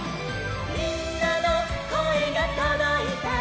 「みんなのこえがとどいたら」